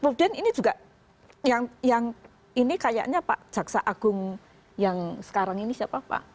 kemudian ini juga yang ini kayaknya pak jaksa agung yang sekarang ini siapa pak